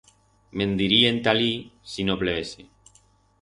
Me'n dirí enta alí si no plevese.